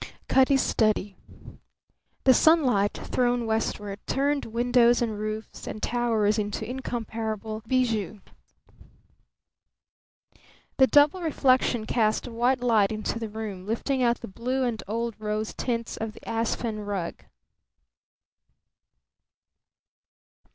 Cutty's study. The sunlight, thrown westward, turned windows and roofs and towers into incomparable bijoux. The double reflection cast a white light into the room, lifting out the blue and old rose tints of the Ispahan rug.